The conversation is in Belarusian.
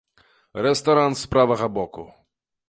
Рэстаран з правага боку.